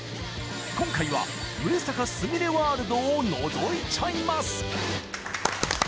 今回は上坂すみれワールドをのぞいちゃいます！